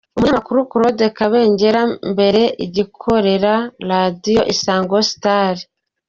Umunyamakuru Claude Kabengera mbere agikorera Radio Isango Star.